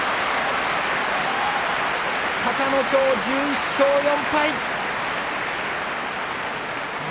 隆の勝、１１勝４敗。